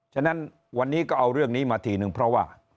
ฉะนั้นวันนี้ก็เอาเรื่องนี้มาทีนึงเพราะว่า